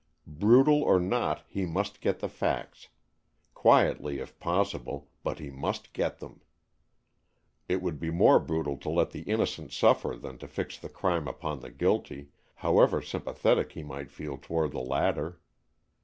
Brutal or not, he must get the facts, quietly if possible, but he must get them. It would be more brutal to let the innocent suffer than to fix the crime upon the guilty, however sympathetic he might feel toward the latter.